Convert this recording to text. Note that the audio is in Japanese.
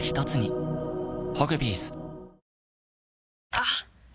あっ！